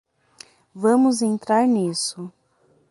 Vamos entrar nisso.